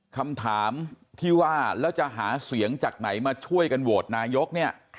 คำถามที่ว่าแล้วจะหาเสียงจากไหนมาช่วยกันโหวตนายกเนี่ย